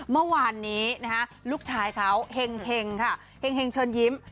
เมื่อวานนี้นะคะลูกชายเขาเห็งค่ะเห็งเชิญยิ้ม